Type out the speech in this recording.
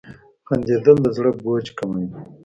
• خندېدل د زړه بوج کموي.